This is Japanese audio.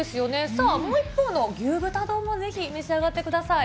さあ、もう一方の牛豚丼もぜひ、召し上がってください。